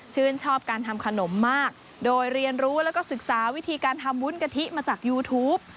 ชอบการทำขนมมากโดยเรียนรู้แล้วก็ศึกษาวิธีการทำวุ้นกะทิมาจากยูทูป